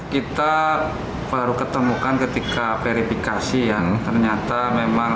kita baru ketemukan ketika verifikasi yang ternyata memang